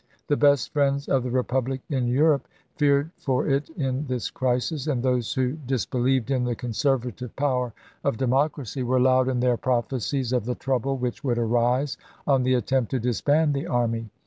The best friends of the Republic in Europe feared for it in this crisis, and those who disbe lieved in the conservative power of democracy were loud in their prophecies of the trouble which would arise on the attempt to disband the army.